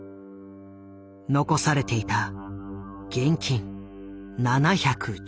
残されていた現金７１１円。